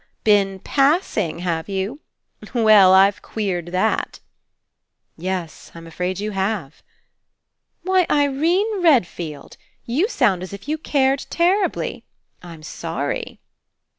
Been ^passing,' have you? Well, I've queered that." "Yes, I'm afraid you have." "Why, Irene Redfield! You sound as if you cared terribly. I'm sorry."